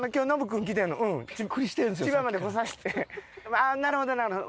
ああなるほどなるほど。